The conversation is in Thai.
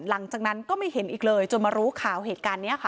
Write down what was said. หลังจากนั้นก็ไม่เห็นอีกเลยจนมารู้ข่าวเหตุการณ์นี้ค่ะ